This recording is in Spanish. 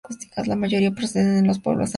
La mayoría proceden de los pueblos aledaños.